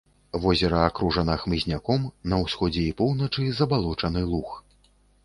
Возера акружана хмызняком, на ўсходзе і поўначы забалочаны луг.